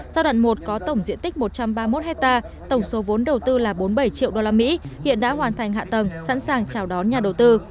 giai đoạn một có tổng diện tích một trăm ba mươi một hectare tổng số vốn đầu tư là bốn mươi bảy triệu usd hiện đã hoàn thành hạ tầng sẵn sàng chào đón nhà đầu tư